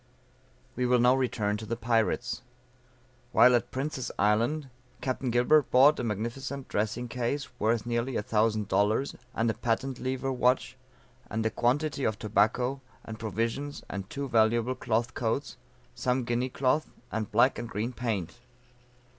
We will now return to the pirates. While at Prince's Island, Capt. Gilbert bought a magnificent dressing case worth nearly a thousand dollars and a patent lever watch, and a quantity of tobacco, and provisions, and two valuable cloth coats, some Guinea cloth and black and green paint.